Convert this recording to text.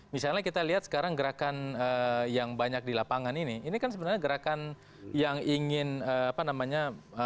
misalnya kita lihat sekarang gerakan yang banyak di lapangan ini ini kan sebenarnya gerakan yang ingin apa namanya